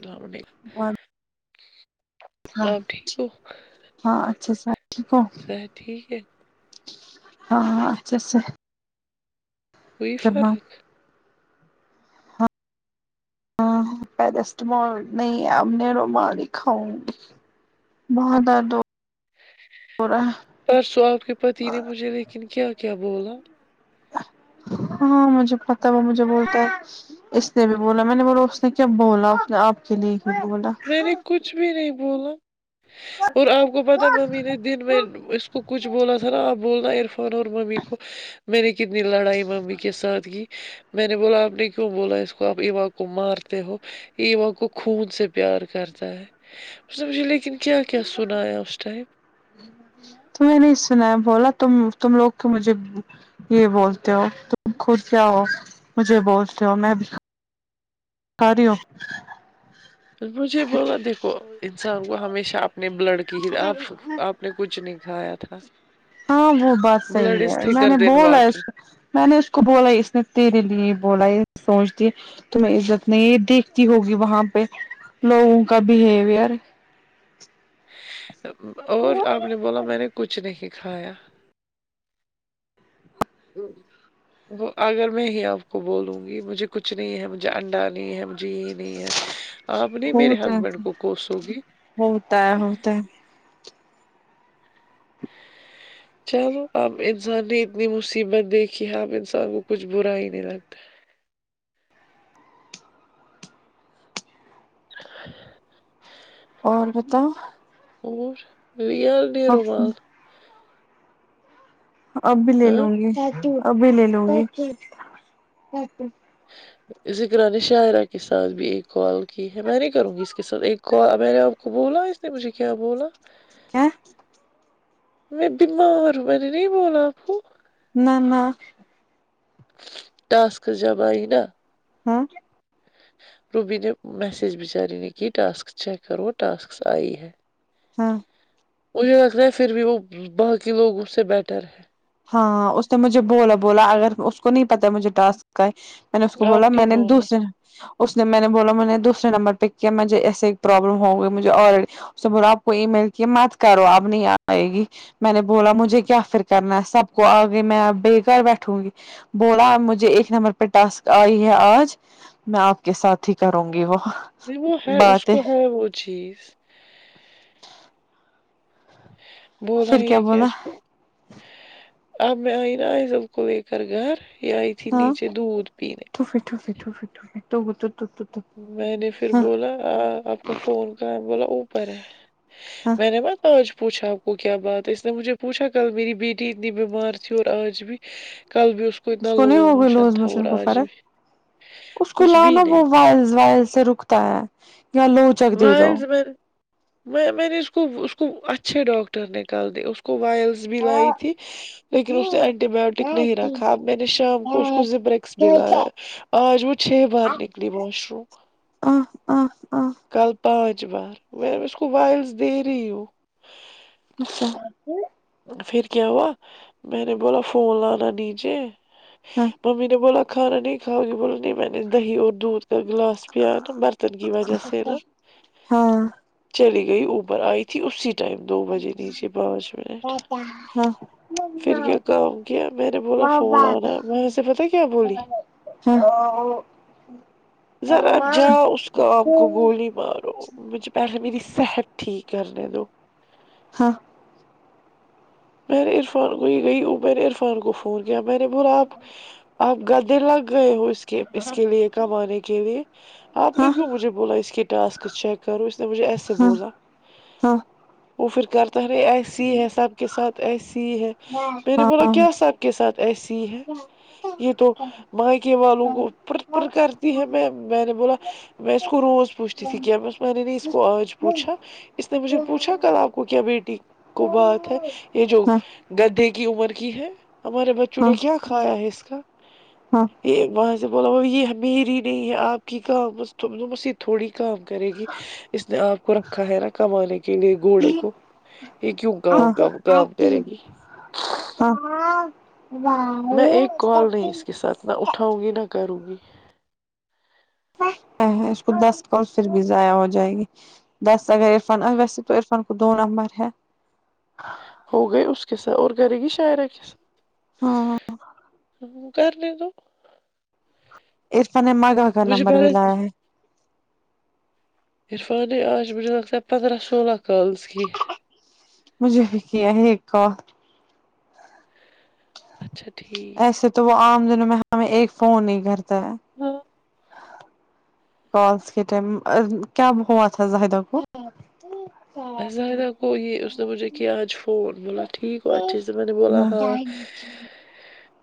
السلام علیکم ہاں آپ ٹھیک ہو ہاں اچھا سے ہے اپ ٹھیک ہو صحت ٹھیک ہے ہاں ہاں اچھے سے ہیں بیف کر رہے ہاں پیرسٹامول نہیں اب میں رومالی کھاؤں گی بہت درد ہو رہا ہے پرسوں آپ کے پتی نے مجھے بھی لیکن کیا کیا بولا ہاں مجھے پتہ بو مجھے بول رہے اس نے بھی بولا میں نے بولا اس نے کیا بولا اس نے آپ کے لیے کیوں بولا میں نے کچھ بھی نہیں بولا اور آپ کو پتا ممی نے دن میں ان اس تو کچھ بولا تھا نا آپ بولنا عرفان اور ممی کو میں نے کتنی لڑائی ممی کے ساتھ کی میں نے بولا آپ نے کیوں بولا اس کو آپ ایوا کو مارتے ہو ایوا کو خون سے پیار کرتا ہے اس نے مچھے لیکن کیا کیا سنایا اس نے تمہیں نہیں سنایا بولا تم تم لوگ تو مجھے یہ بولتے ہو تم خوش رہو مجھے بولتے ہو میں بھی کر یوں [unintelligible] مجھے بولا دیکھو انسان کو ہمیشہ اپنے بلڈ کی ہی راہ آپ نے کچھ نہیں کھایا تھا ہاں وہ بات بلڈ صحیح از ہے میں تھکر نے دین بولا اس کو واٹر میں نے اس کو بولا اس نے تیرے لیے بولا یہ سوچ تی تمہیں عزت نہیں دیکھتی ہوگی وہاں پہ لوگوں کا بیہیویر اور آپ نے بولا میں نے کچھ نہیں کھایا ہوں [inaudible] وہ اگر میں ہی آپ کو بولوں گی مجھے کچھ نہیں ہے مجھے انڈا نہیں ہے مجھے یہ نہیں ہے آپ نہیں میرے ہوتا ہے ہسبینڈ کو کوسوگی ہوتا ہے ہوتا ہے چلو اب انسان نے اتنی مصیبت دیکھی ہے اب انسان کو کچھ برا ہی نہیں لگتا [inaudible] اور بتاؤ اور ریئل دے اب رومال اب بھی لے ہاں لوں گی ابھی لے لوں گی ذکرا نے شاعرہ کے ساتھ بھی ایک کال کی ہے میں نے نہیں کروں گی اس کے ساتھ ایک کال میں نے آ کو بولا اس نے مجھے کیا بولا کیا میں بیمار ہوں میں نے نہیں بولا اپ کو نہ نہ ٹاسک جب ائے گی نا ہاں روبی نے میسیج بچاری نے کہ ٹاسک چیک کرو ٹاسک آئی ہے ہاں مجھے لگ رہا ہے پھر بھی وہ باہر کے لوگ مجھ سے بیٹر ہے ہاں اس نے مجھے بولا بولا اگر اس کو نہیں پتا مجھے ٹاسک کا ہے میں نے اس ہے کو آپ بولا نہیں میں نے بولنا دوسرے اس نے میں نے بولا میں نے دوسرے نمبر پہ کیا مجھے ایسے ہے پروابلم ہوگی مجھے آلریڈی اس سے بولا آپ کوئی میل کی مت کرو اپ نہیں آئے گی میں نے بولا مجھے کیا پھر کرنا اس سب کو آگے میں ابھی گھر بیٹھوں گی بولا مجھے ایک نمبر پہ ٹاسک آئی ہے آج میں آپ کے ساتھ ہی کروں گی وہ [unintelligible] نہیں وہ ہے اس باتیں کو ہے وہ چیز بولا پھر یہ کیا بولا اس کو اب میں آئی نا عیضل کولیکر گھر یہ آئی تھی نیچے دودھ پینے فٹو فٹو فٹو تو بر تو تو [inaudible] [unintelligible] میں نے پھر بولا آپ کا فون کہاں ہے بولا اوپر ہے ہاں میں نے مت آج پوچھا آپ کو کیا بات ہے اس نے مجھے پوچھا کل میری بیٹی اتنی بیمار تھی اور آج بھی کل بھی اس کو اس اتنا کو نہیں لوز ہو گئی لوز تھا اور موشن کو آج بھی فرق اس کو کچھ بھی لانا وہ نہیں وائس وائل سے یا لو وائلز میں نے اس کو اس کو اچھے ڈاکٹر نے کل کیھاے اس کو وائل بھی لائی تھی لیکن اس نے اینٹی بایوٹک نہیں رکھا اب میں نے شام کو اس کو ز برکس بھی لیا آج وہ چھ بار نکلی واش روم آہ آہ آہ کل پانچ بار میں اس کو وائلس دے رہی ہوں اچھا [inaudible] پھر کیا ہوا میں نے بولا فون لانا نیچے ہں ممی نے بولا کھانا نہیں کھؤگی بولا نہیں میں نے دہی اور دودھ کا گلاس یا تو برتن کی وجہ سے نہ ہاں چلی گئی اوبر آئی تھی اسی ٹائم دو بجے نیچے پانچ منٹ ہاں پھر کیا کام کیا میں نے بولا فون لانا وہاں سے پتا کیا بولی ہں ذرا جاؤ اس کام کو گولی مارو مجھے پہلے میری صحت ٹھیک کرنے دو ہاں میں نے عرفان کو ہی گئی اور میں نے عرفان کو فون کیا میں نے بولا آپ آپ گدے لگ گئے ہو اس کے اس کے لیے کمانے کے لیے آپ نے ہاں کیوں مجھے بولا اس کے ٹاسکس چیک کرو اس نے مجھے ایسے ہاں بولا وہ پھر کرتا نہیں ایسی ہی ہے سب سب کے ساتھ ایسی ہی ہے میں نے ہاں بولو کیا سب کے ساتھ ایسی ہی ہے یہ تو مائکے والوں کو پر پر کرتی ہے میں میں نے بولا میں اس کو روز پوچھتی تھی کیا بس میں نے اس کو آج پوچھا اس نے مجھے پوچھا کل آپ کو کیا بیٹی کو بات ہے یہ جو ہاں ہاں گدے کی عمر کی ہے ہمارے بچوں نے کیا کھایا ہے اس کا ہاں یہ وہاں سے بولا یہ میری نہیں ہے آپ کی کہاں تھوڑی کام کرے گی اس نے آپ کو رکھا ہے نا کمانے کے لیے گھوڑے کو یہ کیوں ہاں کام ہاں کام کرے گی ہاں واہ میں ایک کال نہیں اس کے ساتھ نہ اٹھاؤں گی نہ کروں گی اس کو دس کال پھر بھی ضائع ہو جائے گی دس اگر عرفان ویسے تو عرفان کو دو نمبر ہے ہوگئی اس کے ساتھ اور کرے گی شاعرہ کے ساتھ ہاں کر لے تو عرفان نے مگا کا مجھے نمبر بھی پہلے لایا ہے عرفان ہے آج مجھے لگتا ہے پندرہ سولہ کالز کی مجھے بھی کیا ایک کات اچھا ٹھیک [inaudible] ایسے تو وہ عام دنوں میں ہمیں ایک فون نہیں کرتا ہے ہاں ک کے ٹائم کیا ہوا تھا زاہدہ کو زظدہ گو یہ اس نے مجھے ک آج فون بوللا ٹھیک گو اچا ج میں نے بولا ہا [unintelligible]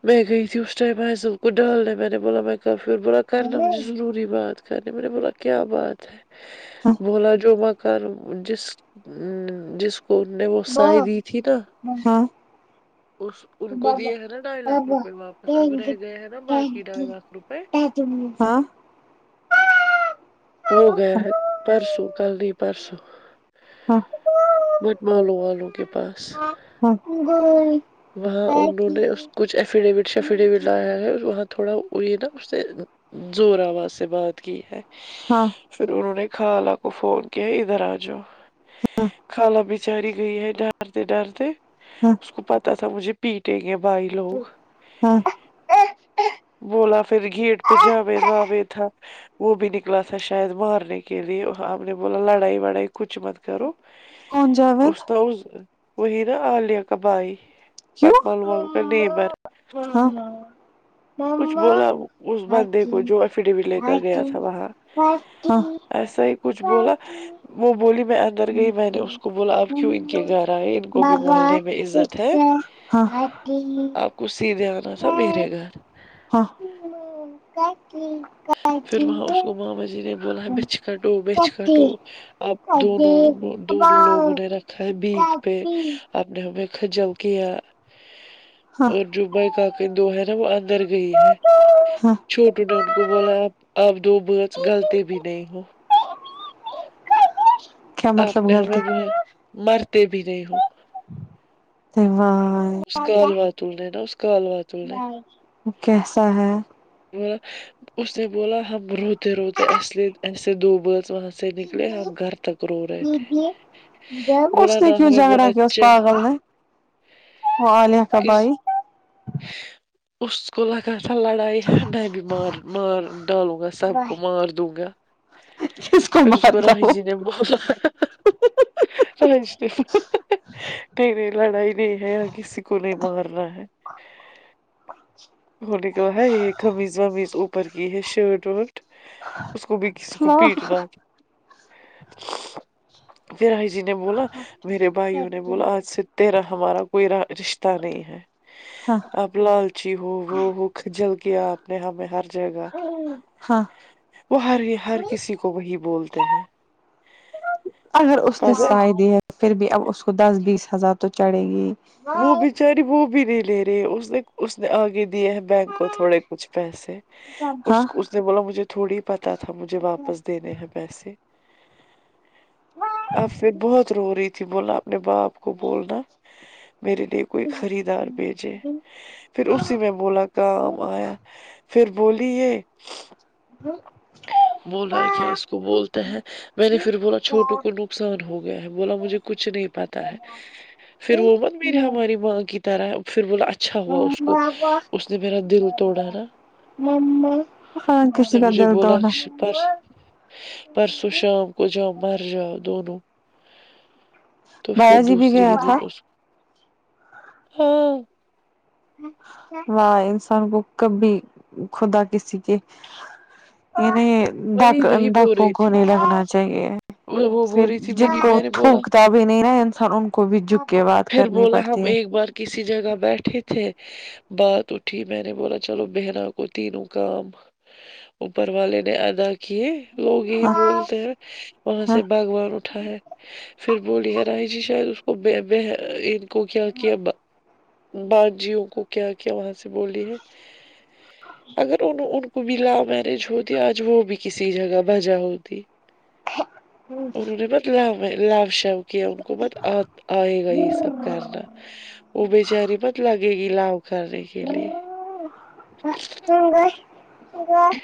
میں گئی ت اس ٹائ آس بالکل ڈالن نے میں نے بوللا میں کافی اور بولا [unintelligible] [unintelligible] کرنا مجھے ضروری بات کرنی میں نے بولا کیا بات ہے ہاں بولا جو م کر جس جس کو نے وہ سائے دی تھی نا ہ ہاں [unintelligible] [unintelligible] اس ان کو دیے ہے نا ڈھائی لاکھ روپے واپس اب رہ گئے ہیں نا باقی ڈھائی لاکھ روپے ہاں [unintelligible] ہو گیا ہے پرسوں کل نہیں پرسوں بٹ مالوں والوں کے پاس ہ گئی [unintelligible] وہاں انہوں نے کچھ ایفیڈیوٹ شفیڈیوٹ لایا ہے وہاں تھوڑا وہ یہ نا اس نے زور آواز سے بات کی ہے [unintelligible] ہاں [unintelligible] پھر انہوں نے خالہ کو فون کیا ادھر آ جو کالا بچاری گئی ہے ڈرتے ڈرتے ہاں اس کو پتا تھا مجھے پیٹیں گ بھائی لوگ [unintelligible] ایک ایک [unintelligible] بولا پھر گیٹ پہ جاوے داوے تھا وہ بھی نکلا تھا شاید مارنے کے لیے ہم نے بولا لڑائی وڑائی کچھ مت کرو کون جاوید استا وہی نا آلیہ کبھائی کی ہ [unintelligible] کچھ بولا اس بندے کو جو ایفیڈیوٹ لے کر گیا تھا وہاں ہاں ہاں ایسا ہی کچھ بولا وہ بولی میں اندر گئی میں نے اس کو بولا اب کیوں ان کے گھر آئے ان کو بھی مولنے میں عزت ہے ہاں آ [unintelligible] ک اس ہیی دھیان آا میریرے گھر ہ کا کی [unintelligible] پھر وہاں اس کو ماما جی نے بولا بچھ کٹو بچھ کٹو اب دونوں دونوں لوگوں نے رکھا ہے بیک پہ اپپ نے ہم میں کھجل کیا ہاں اور جو بکق دو ہے نا وہ اندر گئی ہے چھوٹوں نے ان کو بولا آپ آپ دو [unintelligible] [unintelligible] بچ غلطی بھی نہیں ہو [unintelligible] [unintelligible] کیا آپ مطلب نے ہمیں غلطی وہ مرتے بھی نہیں ہو تو واہ [unintelligible] اس کال وااتل نے نا اس کال وااتل نے کیسا ہے بولا اس نے بولا ہم روتے روتے اصلے ایسے دو برچ وہاں سے نکلے ہم گھر تک رو رہے تھے اس بولا نے نہ کیوں ہمیں بولا جھگڑا کیا اس چ پاگل نے وہ آالیہ کا کس بھائی اس کو لگا پ ل ائی ہے میں بھی مار مار ڈالوں گا سب کو مار دوں گا کس پھر اس کو مارتا راہی جی نے بولا [unintelligible] س اسٹی [unintelligible] [unintelligible] نہیں نہیں لڑائی نہیں ہے یا کسی کو نہیں مارنا ہے انہ نے کہا ہے یہ کمیز ومیز اوپر کی ہے شرٹ اور اس کو بھی کسی کو وہ پیٹنا پھر آائی جی نے بولا میرے بھائیوں نے بولا آج سے تیرا ہمارا کوئی رشتہ نہیں ہے ہاں آپ لالچی ہو وہ ہو کھ جل کیا آپ نے ہمیں ہر جگہ ہاں وہ ہر ہر کسی کو وہی بولتے ہیں اگر اس نے سائے دی ہے پھر بھی اب اس کو دس بیس ہزار تو چڑھے گی وہ بچاری وہ بھی نہیں لے رہی اس نے اس نے آگے دیا ہے [unintelligible] بینک کو تھوڑے کچھ پیسے ہاں اس [unintelligible] ج بولا مجھے تھوڑی پتہ تھا مجھے واپس دینے ہیں پیسے اب پھر بہت رو رہی تھی بولنا اپنے باپ کو بولنا میرے لیے کوئی خریدار بھیجے پھر اسی میں بولا کام آیا پھر بولی یہ ج [unintelligible] بلا رہا ہے کیا اس کو بولتے ہی میں نے پھر بولا چھوٹوں کو نقصان ہو گیا ہے بولا مجھے کچھ نہیں پتا ہے پھر وہ بت میری ہماری ماں کی طرح پھر بلاچ اچھا ہوا اس کو اس نے میرا دل توڑاا ہاں کسی کرد ہو ققش پرس پرسوں شام کو جام مر جا دونوں تو پھر بیا جی بھی دوسرے گیا ہی دن تھا اس کو ہاں واہ انسان کو کبھی خدا کسی کے ینی ڈک وہی وہی بول ڈکوں رہی کو تھی نہیں لگنا چاہیے وہ وہ پھر بول رہی تھی جن میری کو میں نے بولا تھوکتا بھی نہیں نا انسان ان کو بھی جک کے بات پھر کرنی بولا پڑتی ہم ہے ایک بار کسی جگہ بیٹھے تھے بات اٹھی میں نے بولا چلو بہنا کو تینوں کام اوپر والے نے ادا کیے لوگ یہی ہاں بولتے ہیں وہاں ہاں سے باغوان اٹھا ہے پھر بولی ہے رائ جی شاید اس کو ان کو کیا کیا بانجیوں کو کیا کیا وہاں سے بولی ہے اگر ان ان کو بھی لو میرج ہو دیا وہ بھی کسی جگہ بجا ہوتی اورہ نے ب لو شو کیا ان کو بت آ آئے گا یہ سب کرنا امیچاری مت لگے گی لو کرنے کے لیے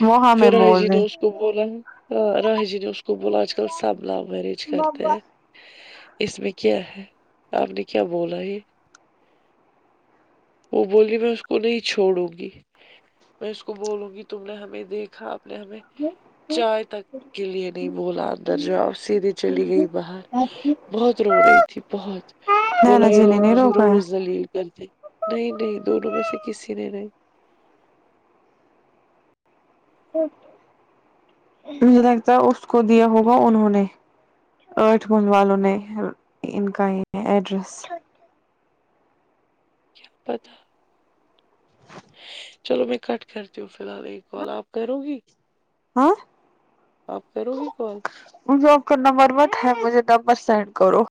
وہ ہمیں پھر راہی جی بول نے رہے اس کو بولا ہ راہ جی نے اس کو بولا آج کل سب ل میرے کرتے ہیں اس میں کیا ہے آپ نے کیا بولا یہ وہ بولی میں اس کو نہیں چھوڑوں گی میں اس کو بولوں گی تم نے ہمیں دیکھا نے ہمیں چائے تک کے لیے نہیں بولا اندر جواب سیدھھی چلی گئی باہر بہت رو رہی تھی بہت بولا نینا یہ جی نے لوگ نہیں مجھے روکا روز ہے دلیل کرتے نہیں نہیں دونوں میں سے کسی نے نہیں مجھے لگتا ہے اس کو دیا ہوگا انہوں نے [unintelligible] آٹھ من والوں نے ان کا یہ ایڈریس کیا پتہ چلو میں کٹ کرتی ہوں فی الحال ایک بال آپ کرو گی ہاں آپ کرو گی کال مجھے آپ کا نمبر مت ہے مجھے نمبر سینڈ کرو [unintelligible]